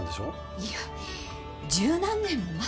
いや十何年も前です！